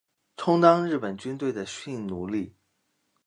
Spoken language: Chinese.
充当日本军队的性奴隶